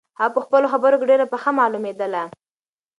هغه په خپلو خبرو کې ډېره پخه معلومېدله.